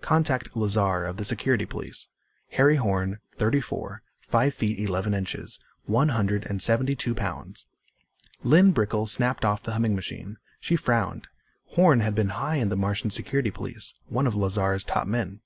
Contact Lazar of the Security Police. Harry Horn. Thirty four, five feet, eleven inches, one hundred and seventy two pounds." Lynn Brickel snapped off the humming machine. She frowned. Horn had been high in the Martian Security Police, one of Lazar's top men.